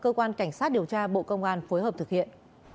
cơ quan cảnh sát điều tra bộ công an phối hợp thực hiện